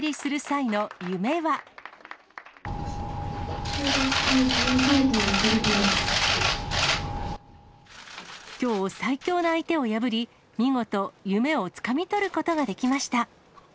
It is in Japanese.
中学生中にタイトルとりたいきょう、最強の相手を破り、見事、夢をつかみ取ることができました。